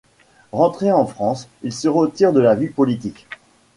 Rentré en France, il se retire de la vie politique.